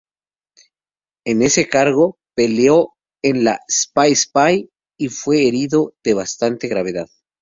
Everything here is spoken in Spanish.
En ese cargo peleó en la Sipe Sipe y fue herido de bastante gravedad.